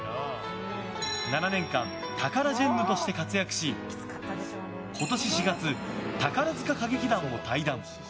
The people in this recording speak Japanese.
７年間タカラジェンヌとして活躍し今年４月、宝塚歌劇団を退団。